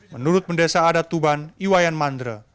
menurut pendesa adat tuban